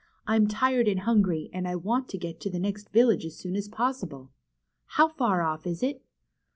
I'm tired and hungry, and I want to get to the next village as soon as possible. How far off is it